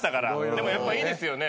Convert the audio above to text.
でもやっぱいいですよね。